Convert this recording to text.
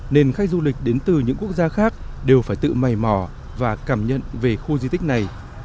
nên khách du lịch đến từ những quốc gia khác đều phải tự mầy mò và cảm nhận về khu di tích này